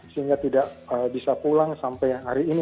sehingga tidak bisa pulang sampai hari ini